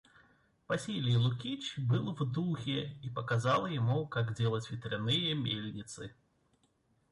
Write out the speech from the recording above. Василий Лукич был в духе и показал ему, как делать ветряные мельницы.